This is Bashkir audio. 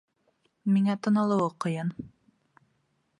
Миңә тын алыуы ҡыйын.